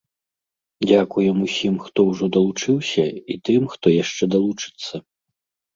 Дзякуем усім, хто ўжо далучыўся, і тым, хто яшчэ далучыцца.